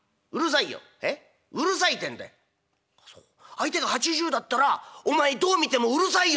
相手が８０だったら『お前どう見てもうるさいよ』」。